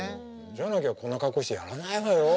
じゃなきゃこんな格好してやらないわよ。